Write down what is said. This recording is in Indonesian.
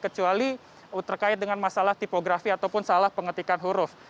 kecuali terkait dengan masalah tipografi ataupun salah pengetikan huruf